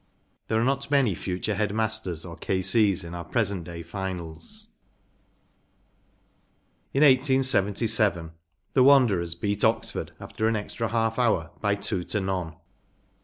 ‚ÄĚ There are not many future head masters or K.C.’s in our present day finals. In 1877 the Wanderers beat Oxford after an extra half hour by two to none.